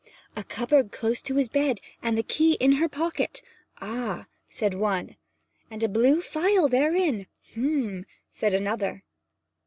'A cupboard close to his bed, and the key in her pocket. Ah!' said one. 'And a blue phial therein h'm!' said another.